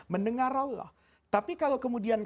mendengar allah tapi kalau kemudian